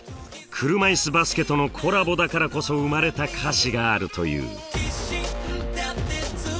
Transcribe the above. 車いすバスケとのコラボだからこそ生まれた歌詞があるという。